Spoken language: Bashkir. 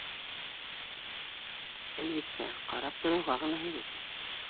Әлбиттә, ҡарап тороуға ғына һәйбәт.